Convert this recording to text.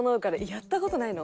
「やった事ないの？